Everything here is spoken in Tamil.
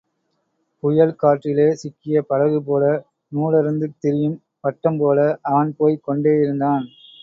புயல் காற்றிலே சிக்கிய படகு போல, நூலறுந்து திரியும் பட்டம் போல, அவன் போய்க் கொண்டேயிருந்தான்.